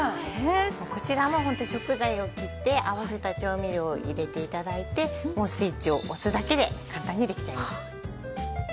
こちらも食材を切って合わせた調味料を入れて頂いてスイッチを押すだけで簡単にできちゃいます。